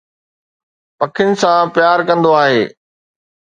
پکين سان پيار ڪندو آهي